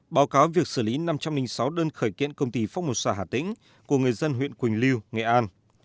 báo cáo việc xử lý năm trăm linh sáu đơn khởi kiện công ty phong một xã hà tĩnh của người dân huyện quỳnh lưu nghệ an